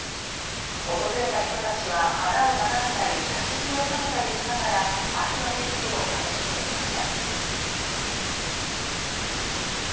訪れた人たちは花を眺めたり写真に収めたりしながら秋の景色を楽しんでいました。